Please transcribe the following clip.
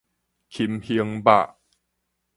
禽胸肉